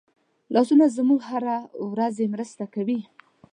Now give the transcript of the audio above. لاسونه زموږ هره ورځي مرسته کوي